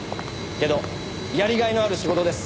けどやりがいのある仕事です。